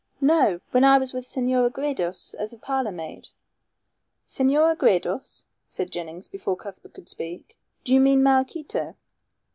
"No. When I was with Senora Gredos as parlor maid." "Senora Gredos?" said Jennings, before Cuthbert could speak. "Do you mean Maraquito?"